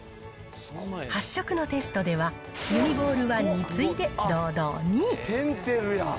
発色のテストではユニボールワンに次いで堂々２位。